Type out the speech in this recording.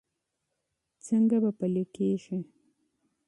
څنګه به پلي کېږي؟